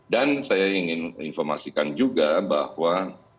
dan saya ingin informasikan juga bahwa